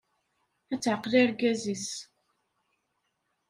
Ad taεqel argaz-is.